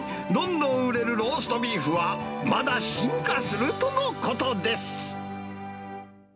どんどん売れるローストビーフは、まだ進化するとのことです。